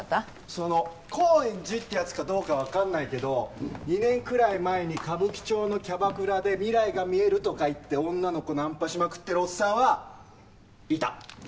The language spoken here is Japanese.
その高円寺ってやつかどうかわかんないけど２年くらい前に歌舞伎町のキャバクラで未来が見えるとかいって女の子ナンパしまくってるおっさんはいた。